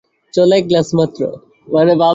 চল, এক গ্লাস মাত্র।